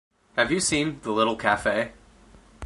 Have you seen "The Little Cafe"?.